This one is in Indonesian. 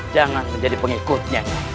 jangan menjadi pengikutnya